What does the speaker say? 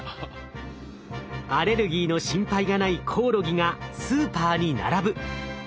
アレルギーの心配がないコオロギがスーパーに並ぶ。